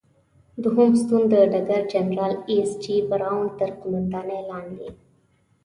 دوهم ستون د ډګر جنرال ایس جې براون تر قوماندې لاندې.